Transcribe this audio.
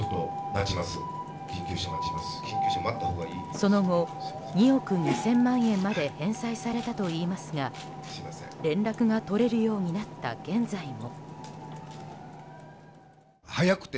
その後、２億２０００万円まで返済されたといいますが連絡が取れるようになった現在も。